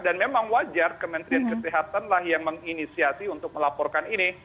dan memang wajar kementerian kesehatan lah yang menginisiasi untuk melaporkan ini